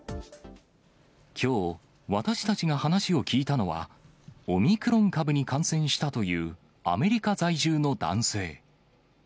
きょう、私たちが話を聞いたのは、オミクロン株に感染したというアメリカ在住の男性。